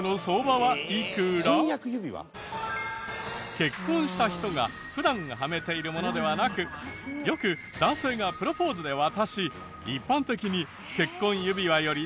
結婚した人が普段はめているものではなくよく男性がプロポーズで渡し